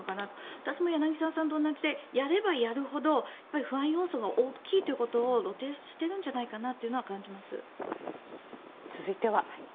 私も柳澤さんと同じでやればやるほど不安要素が大きいということを露呈しているんじゃないかなと続いては。